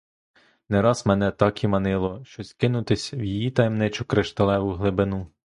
Не раз мене так і манило щось кинутися в її таємничу кришталеву глибину.